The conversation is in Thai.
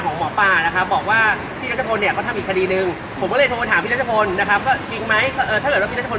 คืออะไรฮะทั้งทั้งที่อยากรู้เรื่องลุงคน